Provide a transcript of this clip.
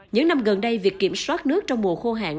những năm gần đây việc kiểm soát nước trong mùa khô hạn